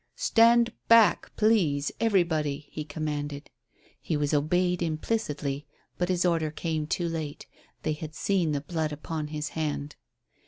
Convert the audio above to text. "Stand back, please, everybody," he commanded. He was obeyed implicitly. But his order came too late. They had seen the blood upon his hand.